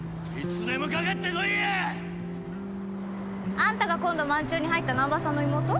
あんたが今度萬中に入った難破さんの妹？